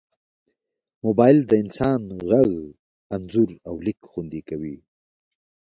موبایل د انسان غږ، انځور، او لیک خوندي کوي.